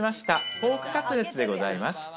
ポークカツレツでございます。